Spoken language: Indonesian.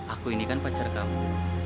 aku ini kan pacar kamu